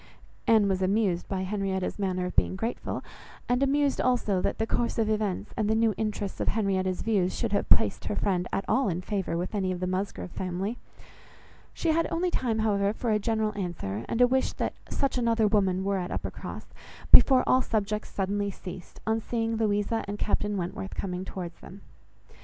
Anne was amused by Henrietta's manner of being grateful, and amused also that the course of events and the new interests of Henrietta's views should have placed her friend at all in favour with any of the Musgrove family; she had only time, however, for a general answer, and a wish that such another woman were at Uppercross, before all subjects suddenly ceased, on seeing Louisa and Captain Wentworth coming towards them.